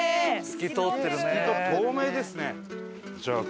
透き通ってる透明ですね。